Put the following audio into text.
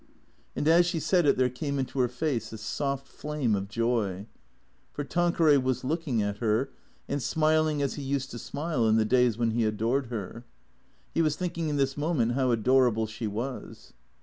And as she said it there came into her face a soft flame of joy. For Tanqueray was looking at her, and smiling as he used to smile in the days when he adored her. He was thinking in this moment how adorable she was.